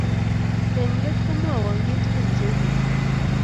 Eng' let komwoiwon kiy tukul Chelimo.